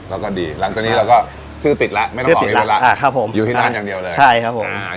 แล้วก็ดีหลังจากนี้เราก็ชื่อติดละไม่ต้องลองอีเว่ละอยู่ที่นั้นอย่างเดียวเลย